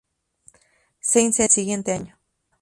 Se incendió al siguiente año.